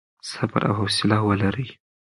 صبر او حوصله ولرئ.